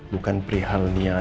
kau mau terbit